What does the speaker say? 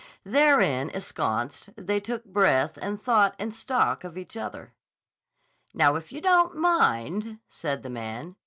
Therein ensconced, they took breath and thought and stock of each other. "Now, if you don't mind," said the man.